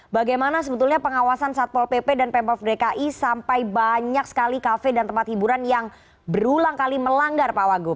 bagaimana sebetulnya pengawasan satpol pp dan pemprov dki sampai banyak sekali kafe dan tempat hiburan yang berulang kali melanggar pak wagub